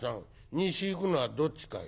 西行くのはどっちかえ』